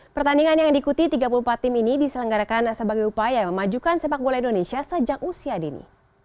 pertandingan yang diikuti tiga puluh empat tim ini diselenggarakan sebagai upaya memajukan sepak bola indonesia sejak usia dini